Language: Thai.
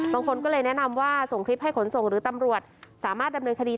บางคนก็เลยแนะนำว่าส่งคลิปให้ขนส่งหรือตำรวจสามารถดำเนินคดี